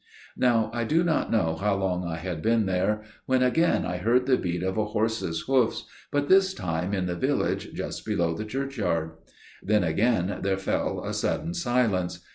"Now I do not know how long I had been there, when again I heard the beat of a horse's hoofs, but this time in the village just below the churchyard; then again there fell a sudden silence.